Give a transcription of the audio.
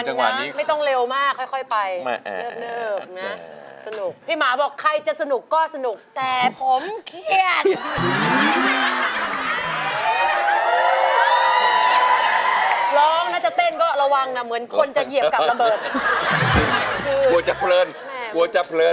หมันนะไม่ต้องเร็วมากค่อยไป